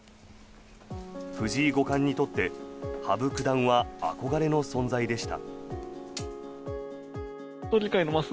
藤井五冠にとって羽生九段は憧れの存在でした。